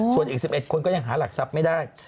ส่วนอีก๑๑คนก็ยังหาหลักทรัพย์ไม่ได้